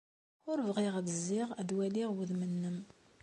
Ur bɣiɣ ad zziɣ ad waliɣ udem-nnem.